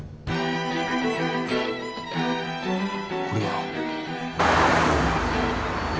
これは？